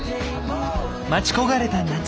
待ち焦がれた夏。